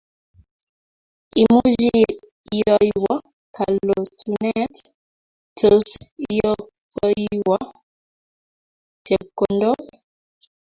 Imuchi iyoiywo kalotunet? Tos, iyokoiywo chepkondook?